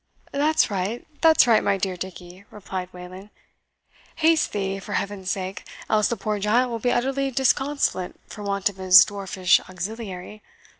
"That's right that's right, my dear Dickie," replied Wayland; "haste thee, for Heaven's sake! else the poor giant will be utterly disconsolate for want of his dwarfish auxiliary.